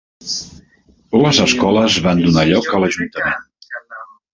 Les escoles van donar lloc a l'ajuntament.